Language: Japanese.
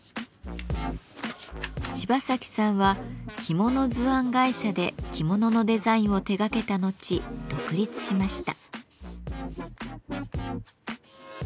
芝崎さんは着物図案会社で着物のデザインを手がけた後独立しました。